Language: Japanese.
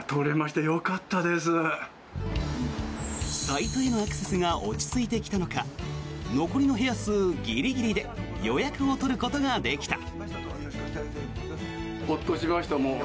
サイトへのアクセスが落ち着いてきたのか残りの部屋数ギリギリで予約を取ることができた。